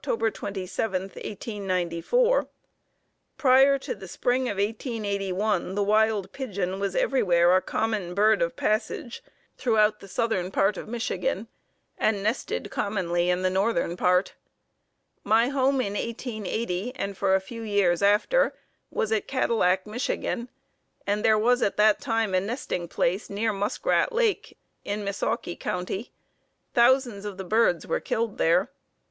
27, 1894: "Prior to the spring of 1881 the wild pigeon was everywhere a common bird of passage throughout the southern part of Michigan and nested commonly in the northern part. My home, in 1880, and for a few years after, was at Cadillac, Mich., and there was at that time a nesting place near Muskrat Lake in Missaukee County. Thousands of the birds were killed there.